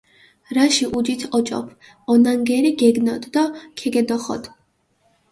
რაში ჸუჯით ოჭოფჷ, ონანგერი გეგნოდგჷ დო ქეგედოხოდჷ.